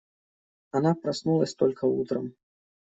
Она проснулась только утром.